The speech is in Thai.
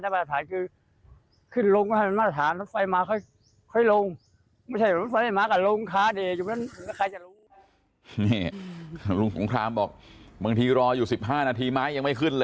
ตรฐานว่าอะไรเคยหนูสร้างรถด้าย